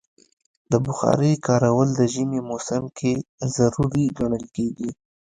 د بخارۍ کارول د ژمي موسم کې ضروری ګڼل کېږي.